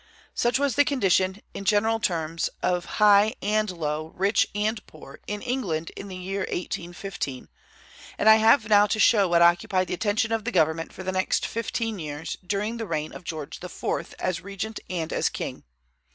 Such was the condition, in general terms, of high and low, rich and poor, in England in the year 1815, and I have now to show what occupied the attention of the government for the next fifteen years, during the reign of George IV. as regent and as king.